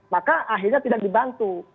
maka akhirnya tidak dibantu